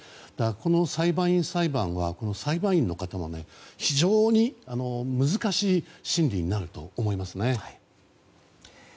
この裁判員裁判はこの裁判員の方が非常に難しい審理になると思いますね。